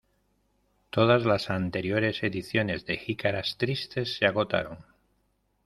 Todas las anteriores ediciones de Jicaras tristes se agotaron.